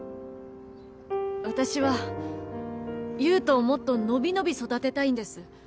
私は優斗をもっと伸び伸び育てたいんです。